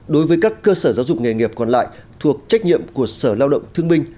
đối với các cơ sở giáo dục nghề nghiệp còn lại thuộc trách nhiệm của sở lao động thương binh